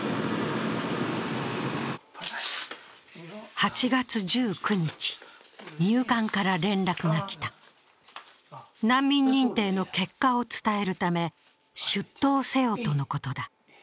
８月１９日、入管から連絡が来た難民認定の結果を伝えるため、出頭せよとのことだ。